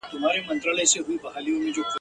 زورور به په ځنګله کي تر هر چا وي ..